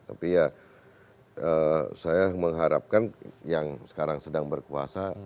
tapi ya saya mengharapkan yang sekarang sedang berkuasa